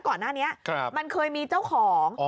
ก่อนหน้านี้มันเคยมีเจ้าของ